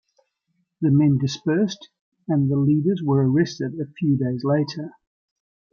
The men dispersed and the leaders were arrested a few days later.